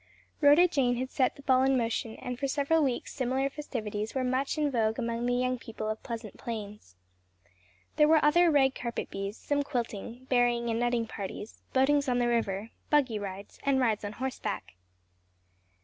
RHODA JANE had set the ball in motion and for several weeks similar festivities were much in vogue among the young people of Pleasant Plains. There were other rag carpet bees, some quilting, berrying and nutting parties, boatings on the river, "buggy rides," and rides on horseback.